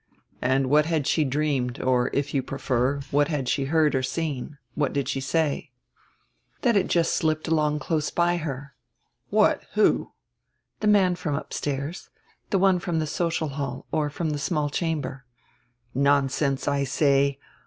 "And what had she dreamed, or, if you prefer, what had she heard or seen? What did she say?" "That it just slipped along close by her." "What? Who?" "The man from upstairs. The one from the social hall or from the small chamber." "Nonsense, I say.